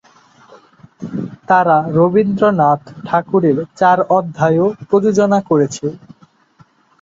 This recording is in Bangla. তারা রবীন্দ্রনাথ ঠাকুরের চার অধ্যায়-ও প্রযোজনা করেছে।